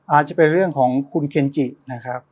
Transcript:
อาจจะเป็นเรื่องของคุณเคนจินะครับ